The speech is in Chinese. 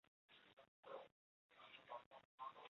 南宋亦设此科。